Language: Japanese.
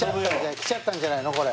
きちゃったんじゃないのこれ？